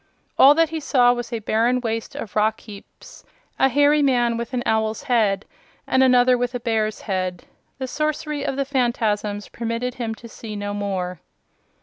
All that he saw was a barren waste of rock heaps, a hairy man with an owl's head and another with a bear's head. The sorcery of the Phanfasms permitted him to see no more.